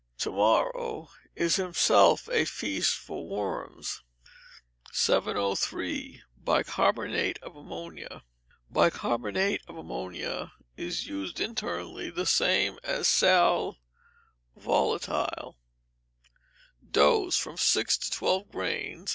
[TO MORROW, IS HIMSELF A FEAST FOR WORMS.] 703. Bicarbonate of Ammonia Bicarbonate of Ammonia is used internally the same as sal volatile. Dose, from six to twelve grains.